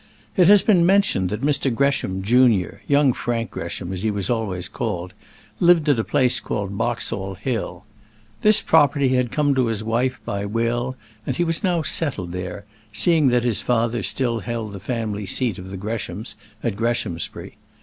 It has been mentioned that Mr. Gresham, junior, young Frank Gresham as he was always called, lived at a place called Boxall Hill. This property had come to his wife by will, and he was now settled there, seeing that his father still held the family seat of the Greshams at Greshamsbury.